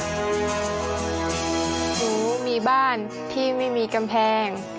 หนูมีบ้านที่ไม่มีกำแพง